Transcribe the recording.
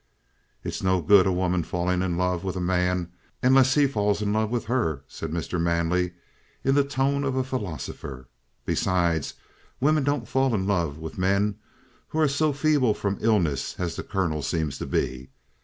"It's no good a woman falling in love with a man unless he falls in love with her," said Mr. Manley, in the tone of a philosopher. "Besides, women don't fall in love with men who are so feeble from illness as the Colonel seems to be.